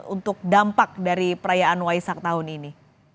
untuk dampak dari perayaan waisak tahun ini